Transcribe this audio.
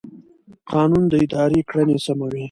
قانون د ادارې کړنې سموي.